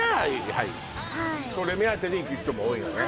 はいそれ目当てで行く人も多いのね